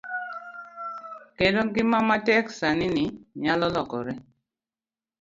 Kendo ngima matek sani ni nyalo lokore.